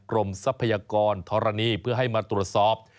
ทรัพยากรธรณีเพื่อให้มาตรวจสอบ